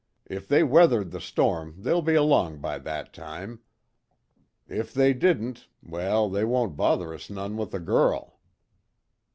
If they weathered the storm, they'll be along by that time. If they didn't well, they won't bother us none with the girl."